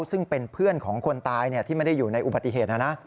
ซึ่งเป็นเพื่อนของคนตายที่ไม่ได้อยู่ในอุบัติเหตุนะนะ